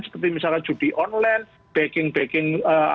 seperti misalnya judi online backing backing